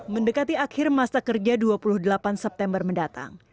mendekati akhir masa kerja dua puluh delapan september mendatang